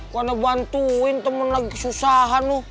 kau ada bantuin temen lagi kesusahan lo